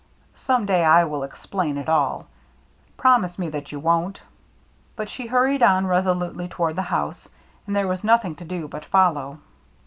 Some day I will explain it all. Promise me that you won't." But she hurried on resolutely toward the house, and there was nothing to do but follow.